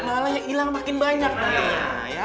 malah yang hilang makin banyak nantinya